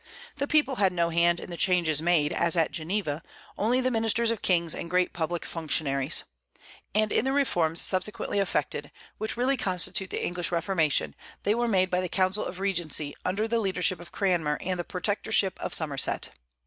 The people had no hand in the changes made, as at Geneva, only the ministers of kings and great public functionaries. And in the reforms subsequently effected, which really constitute the English Reformation, they were made by the council of regency, under the leadership of Cranmer and the protectorship of Somerset.